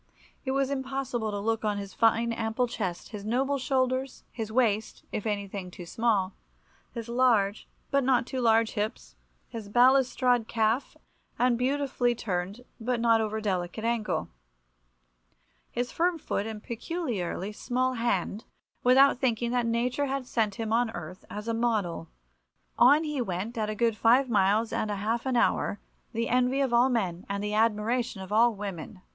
It was impossible to look on his fine ample chest, his noble shoulders, his waist (if anything too small), his large but not too large hips, his balustrade calf and beautifully turned but not over delicate ankle, his firm foot and peculiarly small hand, without thinking that nature had sent him on earth as a model. On he went at a good five miles and a half an hour, the envy of all men and the admiration of all women."